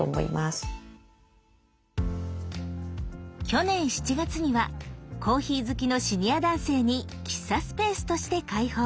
去年７月にはコーヒー好きのシニア男性に喫茶スペースとして開放。